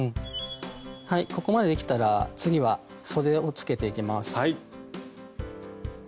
ここまでできたら次はそでをつけていきます。